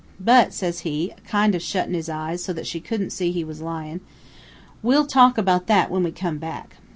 But,' says he, a kind o' shuttin' his eyes so that she shouldn't see he was lyin', 'we'll talk about that when we come back.'